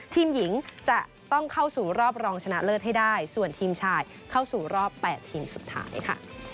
ทีมหญิงจะต้องเข้าสู่รอบรองชนะเลิศให้ได้ส่วนทีมชายเข้าสู่รอบ๘ทีมสุดท้ายค่ะ